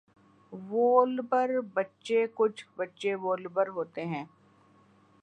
وولبر بچے کچھ بچے وولبر ہوتے ہیں۔